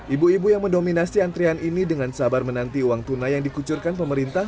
ibu ibu yang mendominasi antrian ini dengan sabar menanti uang tunai yang dikucurkan pemerintah